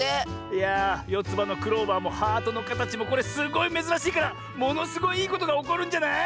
いやあよつばのクローバーもハートのかたちもこれすごいめずらしいからものすごいいいことがおこるんじゃない？